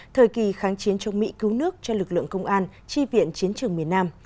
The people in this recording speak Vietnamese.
thời kỳ kháng chiến chống mỹ cứu nước cho lực lượng công an chi viện chiến trường miền nam